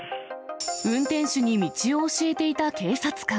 運転手に道を教えていた警察官。